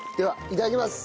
いただきます。